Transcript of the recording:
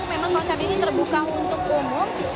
memang konser ini terbuka untuk umum